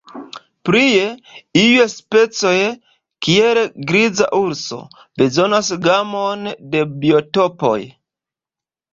Plie, iuj specioj, kiel la griza urso, bezonas gamon da biotopoj.